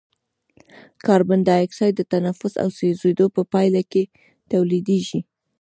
کاربن ډای اکساید د تنفس او سوځیدو په پایله کې تولیدیږي.